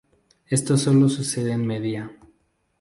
Esto sólo sucede en media.